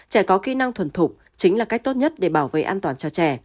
trẻ có kỹ năng thuần thục chính là cách tốt nhất để bảo vệ an toàn cho trẻ